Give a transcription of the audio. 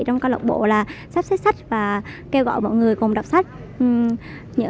trong các lập bộ là sắp xếp sách và kêu gọi mọi người cùng đọc sách